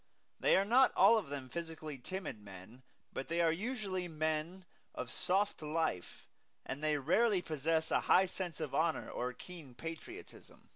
They are not all of them physically timid men; but they are usually men of soft life; and they rarely possess a high sense of honor or a keen patriotism.